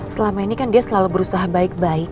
selama ini kan dia selalu berusaha baik baik